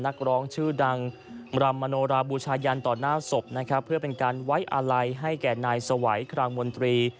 นักร้องชื่อดังรำมโนราบูชายันต่อหน้าศพนะครับเพื่อเป็นการไว้อาลัยให้แก่นายสวัยครางมนตรี